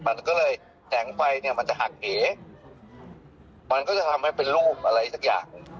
มันก็เลยแสงไฟเนี่ยมันจะหักเหมันก็จะทำให้เป็นรูปอะไรสักอย่าง